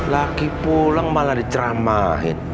lagi pulang malah diceramahin